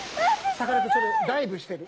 さかなクンそれダイブしてる。